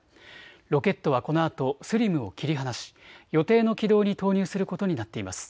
ロケットはこのあとＳＬＩＭを切り離し、予定の軌道に投入することになっています。